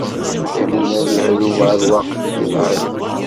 Yamina n Yiɣil Ubeṛwaq tebɛed.